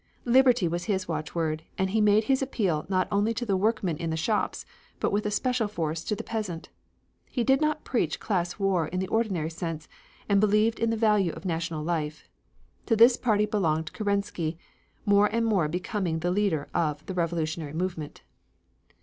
Liberty was his watchword and he made his appeal not only to the workmen in the shops but with a special force to the peasant. He did not preach class war in the ordinary sense, and believed in the value of national life. To this party belonged Kerensky, more and more becoming the leader of the revolutionary movement.